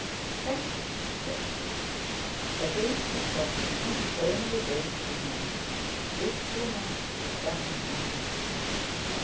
"Thank you," said June. Again she thought: "I'm only wasting my time. This woman will tell me nothing."